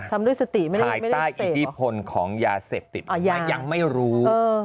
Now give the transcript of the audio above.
ทำด้วยสติไม่ได้เสพหรออถ่ายต้ายอิทธิพลของยาเสพติดยังไม่รู้